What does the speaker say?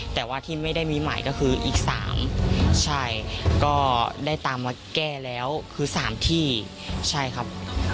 แต่ว่าที่ไม่ได้มีใหม่ก็คืออีก๓ใช่ก็ได้ตามมาแก้แล้วคือ๓ที่ใช่ครับ